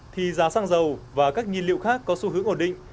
thì giá xăng dầu và các nhiên liệu khác có xu hướng ổn định